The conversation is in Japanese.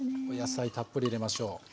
お野菜たっぷり入れましょう。